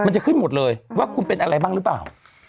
จะขึ้นหมดเลยว่าคุณเป็นอะไรบ้างหรือเปล่า